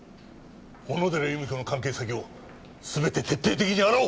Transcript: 小野寺由美子の関係先を全て徹底的に洗おう！